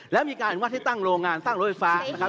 และมีการวัดให้ตั้งโรงงานตั้งโรยไฟฟ้านะครับ